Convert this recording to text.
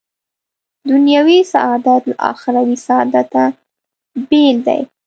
دنیوي سعادت له اخروي سعادته بېل دی.